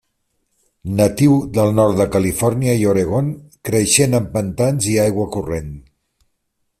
Natiu del nord de Califòrnia i Oregon, creixent en pantans i aigua corrent.